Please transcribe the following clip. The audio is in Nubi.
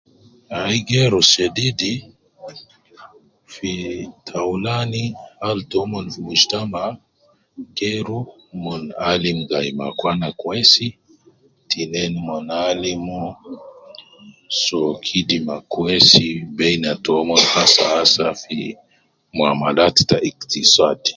Ayi geeru shedidi, fi ta aulani hali toumon fi mujtama geeru mon alim gayi ma akwana kweisi tinin mon alimu so kidima kweisi beina taumon hasahasa fi muamalat ta iktisaad